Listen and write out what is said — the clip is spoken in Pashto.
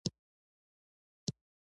کرنه باید څنګه پرمختللې شي؟